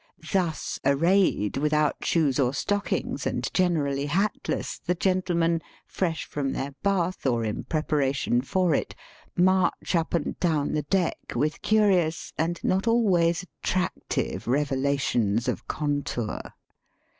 Thus arrayed, without shoes or stockings, and generally hatless, the gentlemen, fresh from their bath or in preparation for it, march up and down the deck with curious and not always attractive revelations of contour.